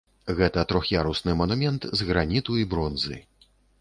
Гэта трох'ярусны манумент з граніту і бронзы.